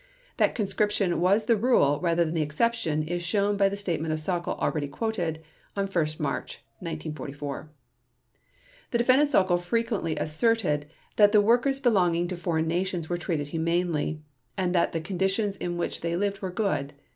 That conscription was the rule rather than the exception is shown by the statement of Sauckel already quoted, on 1 March 1944. The Defendant Sauckel frequently asserted that the workers belonging to foreign nations were treated humanely, and that the conditions in which they lived were good.